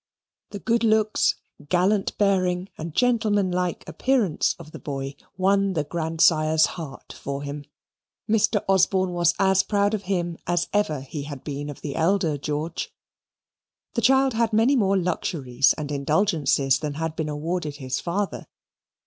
The good looks, gallant bearing, and gentlemanlike appearance of the boy won the grandsire's heart for him. Mr. Osborne was as proud of him as ever he had been of the elder George. The child had many more luxuries and indulgences than had been awarded his father.